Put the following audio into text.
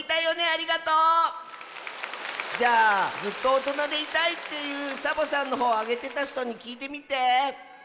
ありがとう！じゃあずっとおとなでいたいっていうサボさんのほうをあげてたひとにきいてみて！